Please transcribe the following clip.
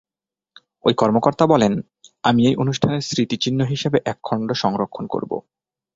ওই কর্মকর্তা বলেন, "আমি এই অনুষ্ঠানের স্মৃতিচিহ্ন হিসেবে এক খণ্ড সংরক্ষণ করব।"